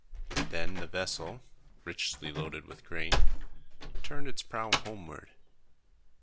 Then the vessel, richly loaded with grain, turned its prow homeward.